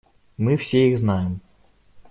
Мы все их знаем.